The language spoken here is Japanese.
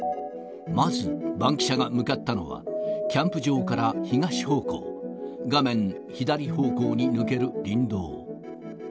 まず、バンキシャが向かったのは、キャンプ場から東方向、画面左方向に抜ける林道。